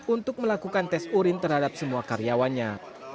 untuk melakukan tes urin terhadap semua karyawannya